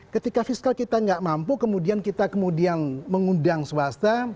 ketika fiskal kita nggak mampu kemudian kita kemudian mengundang swasta